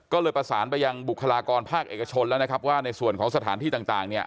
ก็เลยประสานไปยังบุคลากรภาคเอกชนแล้วนะครับว่าในส่วนของสถานที่ต่างเนี่ย